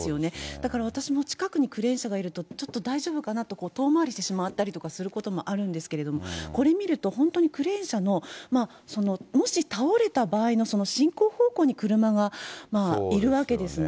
だから、私も近くにクレーン車がいると、ちょっと大丈夫かなと、遠回りしてしまったりとかもあるんですけれども、これ見ると本当にクレーン車のもし倒れた場合のその進行方向に車がいるわけですね。